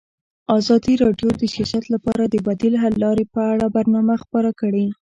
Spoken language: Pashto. ازادي راډیو د سیاست لپاره د بدیل حل لارې په اړه برنامه خپاره کړې.